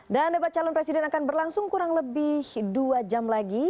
dan debat calon presiden akan berlangsung kurang lebih dua jam lagi